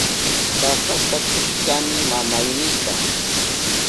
Tasata kushkani mamaynita.